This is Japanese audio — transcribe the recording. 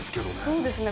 そうですね。